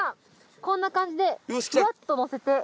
こんな感じでふわっと乗せて。